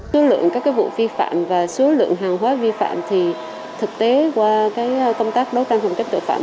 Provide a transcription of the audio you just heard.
số lượng các vụ vi phạm và số lượng hàng hóa vi phạm thực tế qua công tác đấu tranh phòng chất tội phạm